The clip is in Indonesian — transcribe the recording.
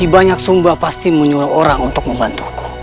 banyak sumba pasti menyuruh orang untuk membantuku